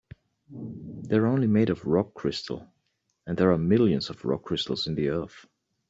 They're only made of rock crystal, and there are millions of rock crystals in the earth.